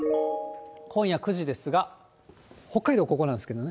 今夜９時ですが、北海道ここなんですけどね。